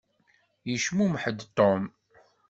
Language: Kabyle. Yecmumeḥ-d Tom.